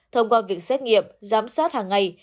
thông qua việc xét nghiệm giám sát hàng ngày